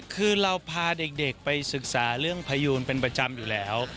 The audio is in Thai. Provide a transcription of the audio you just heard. คือเราพาเด็กไปศึกษาเรื่องพยูนเป็นประจำอยู่แล้ว